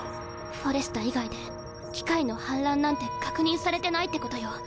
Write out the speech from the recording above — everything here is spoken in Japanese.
フォレスタ以外で機械の反乱なんて確認されてないってことよ。